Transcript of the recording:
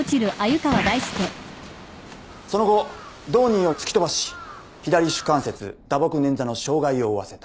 その後同人を突き飛ばし左手関節打撲捻挫の傷害を負わせた。